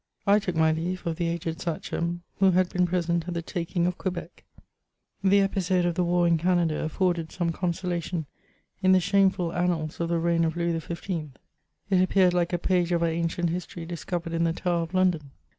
I took m j leave of the aeed Sachem, who had been present at the taking of Quebec* l^ie q^isode of tiie war in Canada afforded some consolation in the shiuneful annab of the reign of Louis XV. ;— it appeared like a page of our ancient history discovered in the Tower of London.